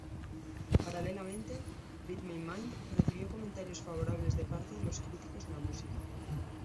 Paralelamente, "Read My Mind" recibió comentarios favorables de parte de los críticos de música.